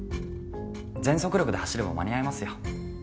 全速力で走れば間に合いますよ。